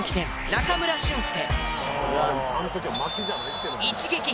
中村俊輔！